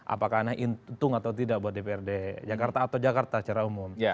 apakah ini untung atau tidak buat dprd jakarta atau jakarta secara umum